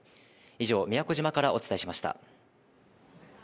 以上、宮古島からお伝えしました。